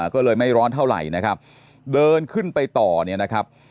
ก็เลยไม่ร้อนเท่าไหร่นะครับเดินขึ้นไปต่อเนี่ยนะครับ